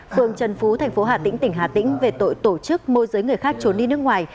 phường trần phú thành phố hà tĩnh tỉnh hà tĩnh về tội tổ chức môi giới người khác trốn đi nước ngoài